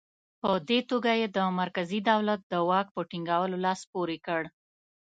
په دې توګه یې د مرکزي دولت د واک په ټینګولو لاس پورې کړ.